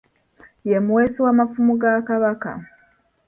Ye muweesi wa mafumu ga Kabaka.